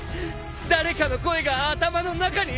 誰かの声が頭の中に。